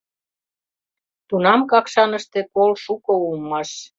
Тунам Какшаныште кол шуко улмаш.